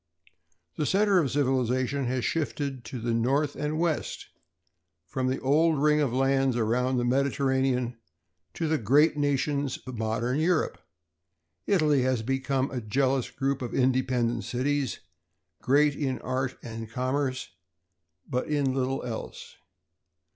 The center of civilization has shifted to the north and west; from the old ring of lands around the Mediterranean to the great nations of modern Europe. Italy has become a jealous group of independent cities, great in art and commerce, but in little else.